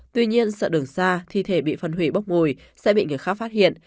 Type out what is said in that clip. tuy nhiên sợ đường xa thi thể bị phân hủy bốc mùi sẽ bị người khác phát hiện